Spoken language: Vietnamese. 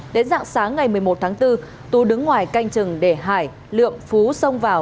đến dạng sáng ngày một mươi một tháng bốn tú đứng ngoài canh chừng để hải lượm phú xông vào